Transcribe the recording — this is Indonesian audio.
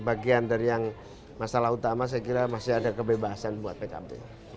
bagian dari yang masalah utama saya kira masih ada kebebasan buat pkb